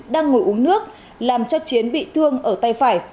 đang ngồi uống nước làm cho chiến bị thương ở tay phải